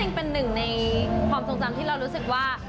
เป็นหนึ่งในความทรงจำที่เรารู้สึกว่า